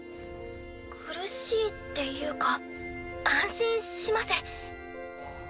苦しいっていうか安心します。